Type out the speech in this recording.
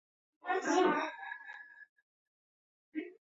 台湾隐柱兰为兰科隐柱兰属下的一个变种。